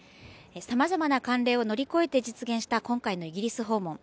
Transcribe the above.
さまざまな慣例を乗り越えて実現した今回のイギリス訪問。